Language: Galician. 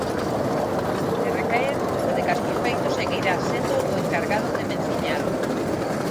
De recaer, o de Castrofeito seguirá sendo o encargado de menciñalo.